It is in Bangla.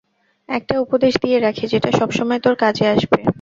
একটা উপদেশ দিয়ে রাখি যেটা সবসময় তোর কাজে আসবে।